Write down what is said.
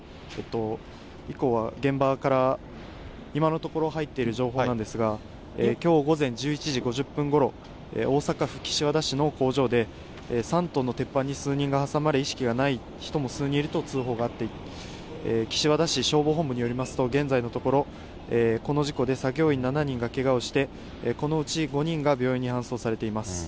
以降は、現場から、今のところ入っている情報なんですが、きょう午前１１時５０分ごろ、大阪府岸和田市の工場で、３トンの鉄板に数人が挟まれ、意識がない人も数人いると通報があって、岸和田市消防本部によりますと、現在のところ、この事故で、作業員７人がけがをして、このうち５人が病院に搬送されています。